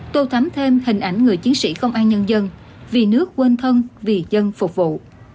tôi thấm thêm hình ảnh người chiến sĩ không an nhân dân vì nước quên thân vì dân phục vụ